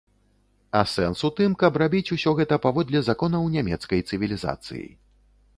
А сэнс у тым, каб рабіць усё гэта паводле законаў нямецкай цывілізацыі.